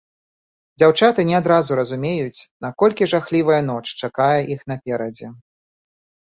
Дзяўчаты не адразу разумеюць, наколькі жахлівая ноч чакае іх наперадзе.